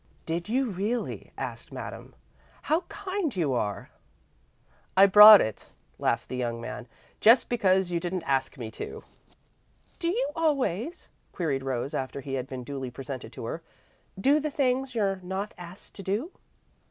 "Did you really?" asked Madame. "How kind you are!" "I brought it," laughed the young man, "just because you didn't ask me to." "Do you always," queried Rose, after he had been duly presented to her, "do the things you're not asked to do?"